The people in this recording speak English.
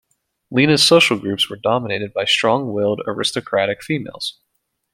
Lina's social groups were dominated by strong-willed "aristocratic" females.